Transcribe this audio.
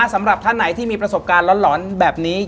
สำหรับท่านไหนที่มีประสบการณ์หลอนแบบนี้